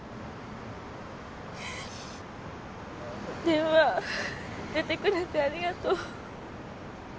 電話出てくれてありがとう。